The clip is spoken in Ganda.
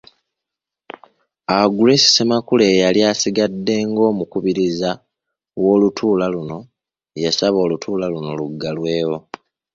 Awo Grace Ssemakula eyali asigadde ng’omukubiriza w’olutuula luno yasaba olutuula luno luggalwewo.